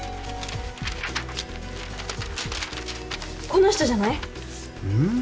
この人じゃない？ん？